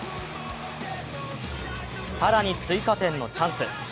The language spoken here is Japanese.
更に追加点のチャンス。